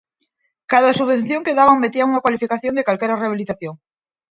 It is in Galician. Cada subvención que daban metían unha cualificación de calquera rehabilitación.